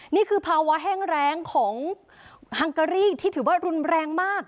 นี่คือภาวะแห้งแรงของฮังการีที่ถือว่ารุนแรงมาก